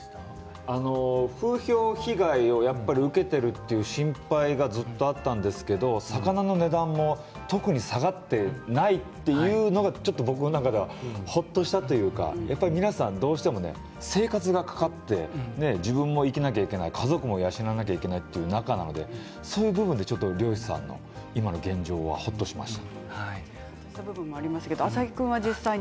風評被害を受けているという心配がずっとあったんですけど魚の値段も特に下がっていないというのがちょっとほっとしたというかやっぱり皆さんどうしても生活がかかって自分も生きなくてはいけない家族を養わなくてはいけないという中で、そういう部分で漁師さんの現状はほっとしました。